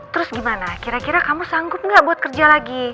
terus gimana kira kira kamu sanggup nggak buat kerja lagi